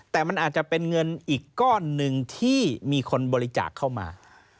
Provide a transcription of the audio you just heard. แต่มันอาจจะเป็นเงินอีกก้อนหนึ่งที่มีคนบริจาคเข้ามา